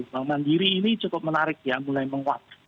bank mandiri ini cukup menarik ya mulai menguat